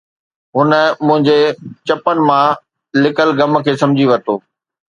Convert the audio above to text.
هن منهنجي چپن مان لڪل غم کي سمجهي ورتو